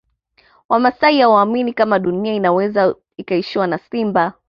Wamasai hawaamini kama Dunia inaweza ikaishiwa na simba